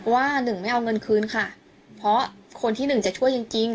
ว่าหนึ่งไม่เอาเงินคืนค่ะเพราะคนที่หนึ่งจะช่วยจริงจริง